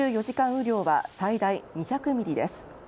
雨量は最大２００ミリです。